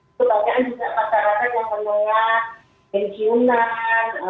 kebanyakan juga masyarakat yang menengah insinyuran